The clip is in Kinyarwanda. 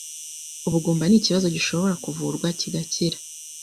Ubugumba ni ikibazo gishobora kuvurwa kigakira